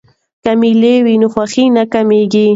که میله وي نو خوښي نه کمېږي.